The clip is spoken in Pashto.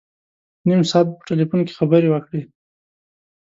نیم ساعت په ټلفون کې خبري وکړې.